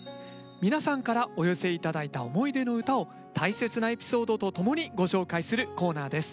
皆さんからお寄せ頂いた思い出の唄を大切なエピソードとともにご紹介するコーナーです。